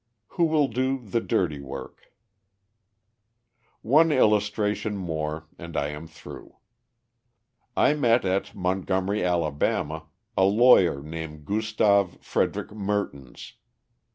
Who Will Do the Dirty Work? One illustration more and I am through. I met at Montgomery, Alabama, a lawyer named Gustav Frederick Mertins.